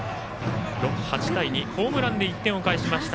８対２、ホームランで１点を返しました